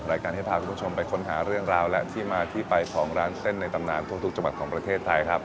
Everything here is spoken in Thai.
รายการให้พาคุณผู้ชมไปค้นหาเรื่องราวและที่มาที่ไปของร้านเส้นในตำนานทุกจังหวัดของประเทศไทยครับ